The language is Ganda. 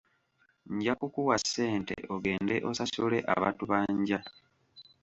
Nja kukuwa ssente ogende osasule abatubanja.